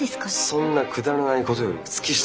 そんなくだらないことより月下